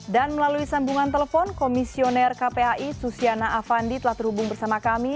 dan melalui sambungan telepon komisioner kpai susiana avandi telah terhubung bersama kami